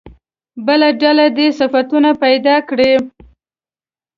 بله ډله دې صفتونه پیدا کړي.